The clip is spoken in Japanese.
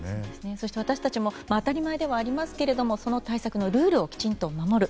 そして私たちも当たり前ではありますけれどもその対策のルールをきちんと守る。